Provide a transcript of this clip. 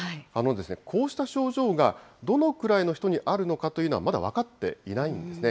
こうした症状がどのくらいの人にあるのかというのは、まだ分かっていないんですね。